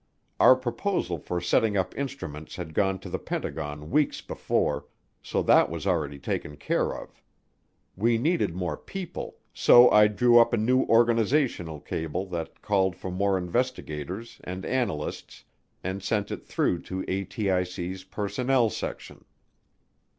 Our proposal for setting up instruments had gone to the Pentagon weeks before, so that was already taken care of. We needed more people, so I drew up a new organizational cable that called for more investigators and analysts and sent it through to ATIC's personnel section.